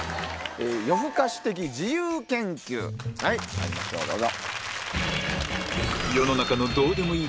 まいりましょうどうぞ。